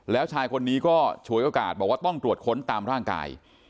แล้วชายคนนี้ก็ฉวยโอกาสบอกว่าต้องตรวจค้นตามร่างกาย